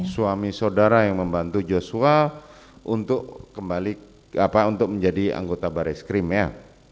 bukan suami saudara yang membantu joshua untuk menjadi anggota barreskrim ya